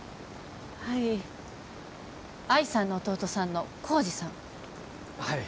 はい愛さんの弟さんの浩司さんはい